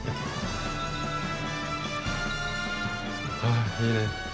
あいいね。